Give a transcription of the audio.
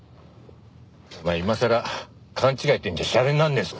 お前今さら勘違いっていうんじゃしゃれにならねえぞ。